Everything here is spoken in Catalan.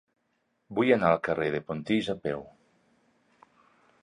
Vull anar al carrer de Pontils a peu.